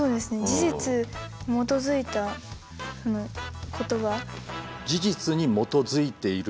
事実に基づいた言葉。